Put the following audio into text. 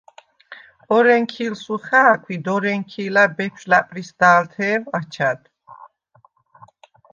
ორენქი̄ლსუ ხა̄̈ქვ ი დორენქი̄ლა̈ ბეფშვ ლა̈პრისდა̄ლთე̄ვ აჩა̈დ.